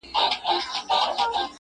ډك د ميو جام مي د زړه ور مــات كړ,